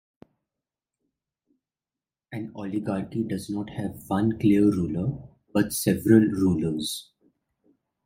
An oligarchy does not have one clear ruler but several rulers.